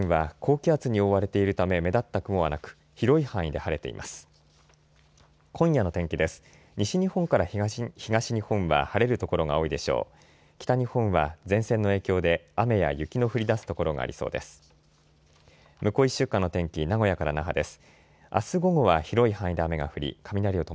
北日本は前線の影響で雨や雪の降りだす所がありそうです。